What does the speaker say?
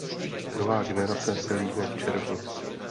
Nová generace se líhne v červnu.